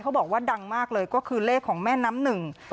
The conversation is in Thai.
บอกว่าดังมากเลยก็คือเลขของแม่น้ำหนึ่ง